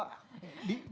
bu tapi kalau